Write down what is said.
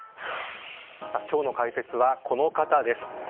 今日の解説はこの方です。